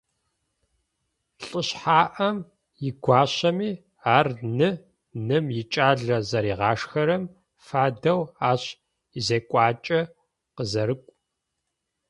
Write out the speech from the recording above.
Лӏышъхьаӏэм игуащэми - ар ны, ным икӏалэ зэригъашхэрэм фэдэу ащ изекӏуакӏэ къызэрыкӏу.